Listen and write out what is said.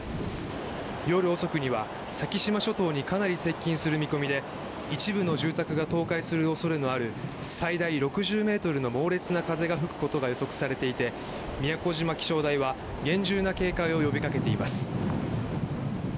夜遅くには先島諸島にかなり接近する見込みで一部の住宅が倒壊する恐れのある最大６０メートルの猛烈な風が吹くことが予測されていて宮古島気象台は厳重な警戒を呼び掛けています。